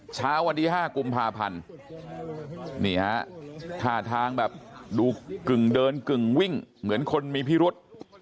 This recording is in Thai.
เช้าวันที่๕กุมภาพันธ์นี่ฮะท่าทางแบบดูกึ่งเดินกึ่งวิ่งเหมือนคนมีพิรุษ